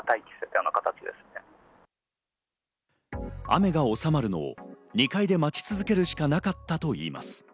雨の収まるのを２階で待ち続けるしかなかったといいます。